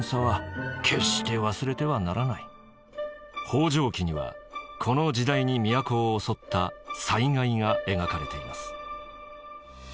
「方丈記」にはこの時代に都を襲った災害が描かれています。